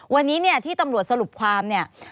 วันนี้ที่ตำรวจสรุปความ